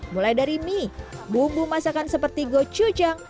mulai dari mie bumbu masakan seperti gochujang